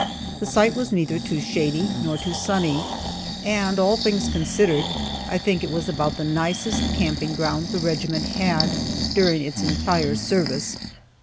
The site was neither too shady nor too sunny, and, all things considered, I think it was about the nicest camping ground the regiment had during its entire service.